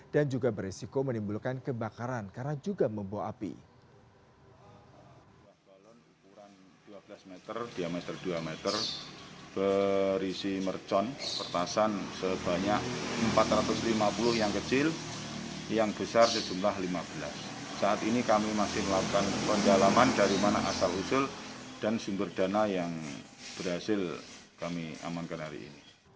dan juga berisiko menimbulkan kebakaran karena juga membawa api